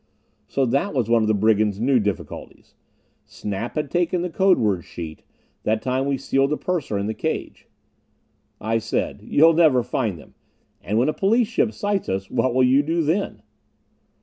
So that was one of the brigands new difficulties! Snap had taken the code word sheet, that time we sealed the purser in the cage. I said, "You'll never find them. And when a police ship sights us, what will you do then?"